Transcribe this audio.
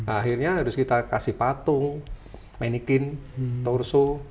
akhirnya harus kita kasih patung menikin torso